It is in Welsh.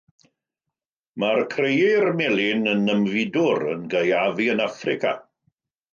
Mae'r crëyr melyn yn ymfudwr, yn gaeafu yn Affrica.